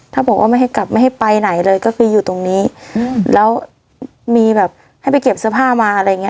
ถ้าบอกว่าไม่ให้กลับไม่ให้ไปไหนเลยก็คืออยู่ตรงนี้แล้วมีแบบให้ไปเก็บเสื้อผ้ามาอะไรอย่างเงี้